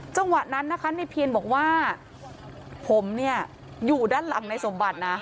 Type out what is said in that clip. จังหวะนั้นนะคะในเพียรบอกว่าผมเนี่ยอยู่ด้านหลังในสมบัตินะ